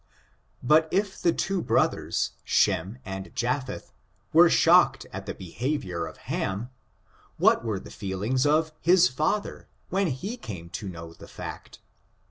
But if the two brothers, Shem and Japheth, were shocked at the behavior of Ham, what were the feel ings of his father, when he came to know the fact?